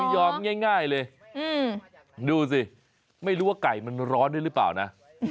ยอมง่ายเลยดูสิไม่รู้ว่าไก่มันร้อนด้วยหรือเปล่านะ